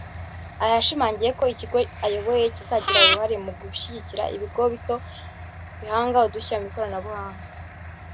Aha yashimangiye ko iki kigo ayoboye kizagira uruhare mu gushyigikira ibigo bito bihanga udushya mu ikoranabuhanga